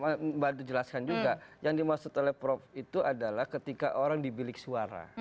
saya ingin mbak dut jelaskan juga yang dimaksud oleh prof itu adalah ketika orang di bilik suara